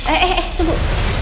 eh eh eh tunggu